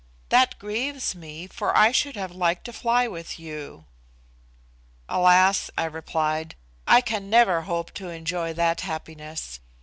That grieves me, for I should have liked to fly with you." "Alas!" I replied, "I can never hope to enjoy that happiness.